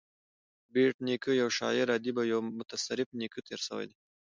بېټ نیکه یو شاعر ادیب او یو متصرف نېکه تېر سوى دﺉ.